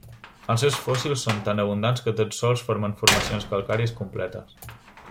Els seus fòssils són tan abundants que tots sols formen formacions calcàries completes.